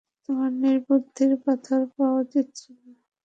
তোমার নির্বুদ্ধির পাথর পাওয়া উচিৎ ছিল।